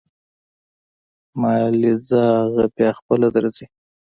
مالې ځه اغه بيا خپله درځي.